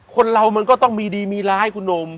คนเรามันก็ต้องมีดีมีร้ายคุณหนุ่ม